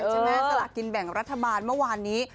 สละกินแบ่งรัฐบาลเมื่อวานนี้